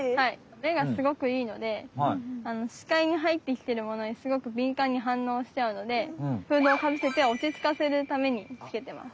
目がすごくいいのでしかいにはいってきてるものにすごくびんかんに反応しちゃうのでフードをかぶせて落ち着かせるためにつけてます。